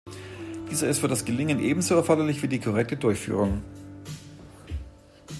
Dieser ist für das Gelingen ebenso erforderlich wie die korrekte Durchführung.